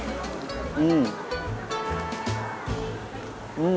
うん。